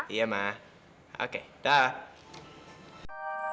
iya mah oke dah